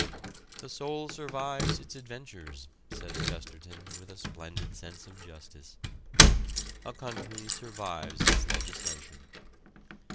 "The soul survives its adventures," says Chesterton with a splendid sense of justice. A country survives its legislation.